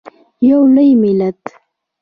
یو لوی ملت.